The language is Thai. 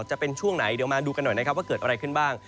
จะเป็นช่วงไหนเดี๋ยวมาดูกันหน่อยนะครับว่าเกิดอะไรขึ้นบ้าง